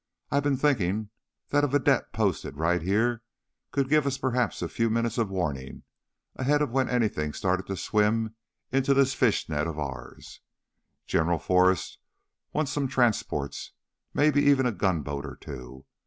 "I've been thinkin' that a vedette posted right here could give us perhaps a few minutes of warning ahead when anything started to swim into this fishnet of ours. General Forrest wants some transports, maybe even a gunboat or two.